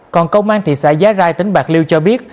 còn công an thị xã giá rai tỉnh bạc liêu cho biết